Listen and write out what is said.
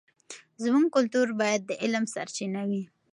زموږ کلتور باید د علم سرچینه وي.